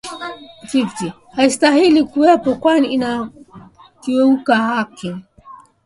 halistahili kuwepo kwani linakiuka haki